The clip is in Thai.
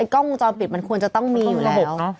กล้องวงจรปิดมันควรจะต้องมีอยู่ระบบ